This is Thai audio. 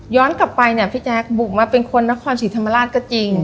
กลับไปเนี่ยพี่แจ๊คบุกมาเป็นคนนครศรีธรรมราชก็จริง